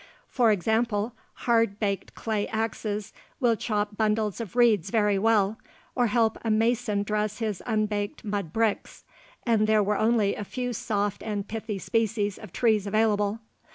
For example, hard baked clay axes will chop bundles of reeds very well, or help a mason dress his unbaked mud bricks, and there were only a few soft and pithy species of trees available.